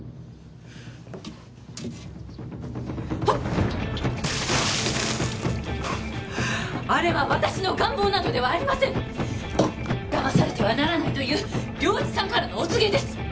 ほっあれは私の願望などではありませんだまされてはならないという良一さんからのお告げです！